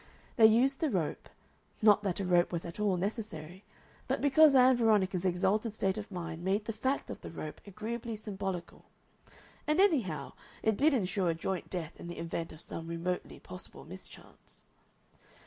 They used the rope not that a rope was at all necessary, but because Ann Veronica's exalted state of mind made the fact of the rope agreeably symbolical; and, anyhow, it did insure a joint death in the event of some remotely possibly mischance.